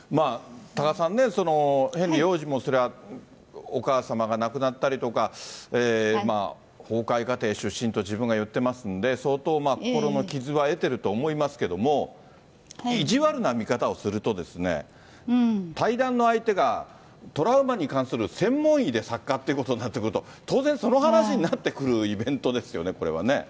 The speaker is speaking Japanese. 多賀さんね、ヘンリー王子もそりゃ、お母様が亡くなったりとか、崩壊家庭出身と自分が言ってますんで、相当、心の傷は得てると思いますけども、意地悪な見方をするとですね、対談の相手が、トラウマに関する専門医で作家っていうことになってくると、当然その話になってくるイベントですよね、これはね。